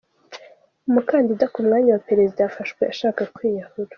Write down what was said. Kenya: Umukandida ku mwanya wa perezida yafashwe ashaka kwiyahura.